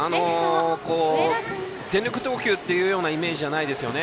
全力投球というイメージじゃないですね